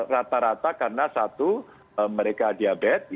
rata rata karena satu mereka diabetes